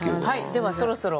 ではそろそろ。